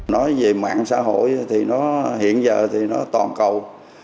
nói về mạng xã hội thì nó hiện giờ thì nó toàn cầu